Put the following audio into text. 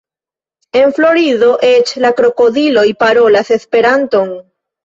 En Florido eĉ la krokodiloj parolas Esperanton!